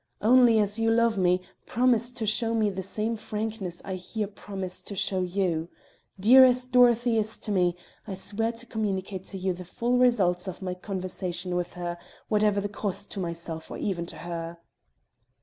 Only, as you love me, promise to show me the same frankness I here promise to show you. Dear as Dorothy is to me, I swear to communicate to you the full result of my conversation with her, whatever the cost to myself or even to her."